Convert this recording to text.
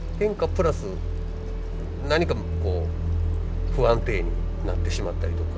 プラス何かこう不安定になってしまったりとか。